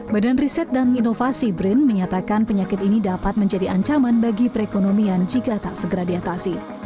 badan riset dan inovasi brin menyatakan penyakit ini dapat menjadi ancaman bagi perekonomian jika tak segera diatasi